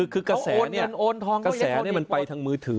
กระแสเนี่ยมันไปทางมือถือ